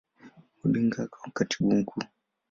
Odinga akawa Katibu Mkuu.